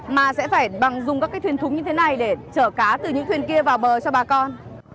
mà sẽ phải dùng các cái thuyền thúng như thế này để chở cá từ những thuyền kia vào bờ cho bà con